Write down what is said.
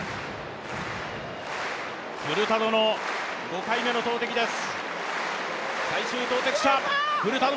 フルタドの５回目の投てきです。